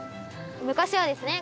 昔はですね